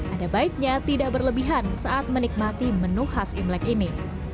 ada baiknya tidak berlebihan saat menikmati menu khas imlek ini